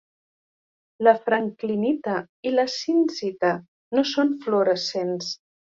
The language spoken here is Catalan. La franklinita i la zincita no són fluorescents.